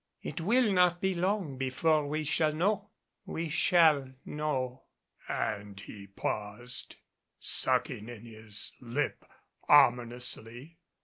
It will not be long before we shall know we shall know " and he paused, sucking in his lip ominously.